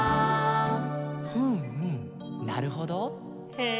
「ふむふむなるほどへえー」